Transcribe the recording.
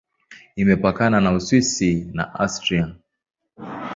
Imepakana na Uswisi na Austria.